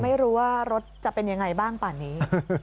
ไม่รู้ว่ารถจะเป็นยังไงบ้างป่านนี้